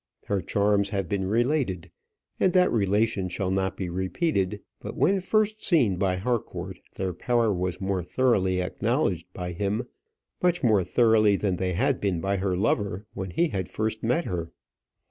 Her charms have been related, and that relation shall not be repeated; but when first seen by Harcourt, their power was more thoroughly acknowledged by him, much more thoroughly than they had been by her lover when he had first met her.